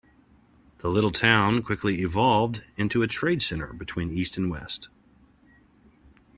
The little town quickly evolved into a trade center between east and west.